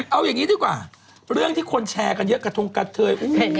เอาอย่างนี้ดีกว่าเรื่องที่คนแชร์กันเยอะกระทงกระเทย